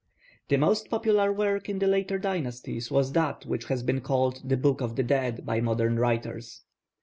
The most popular work in the later dynasties was that which has been called the Book of the Dead by modern writers.